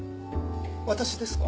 私ですか？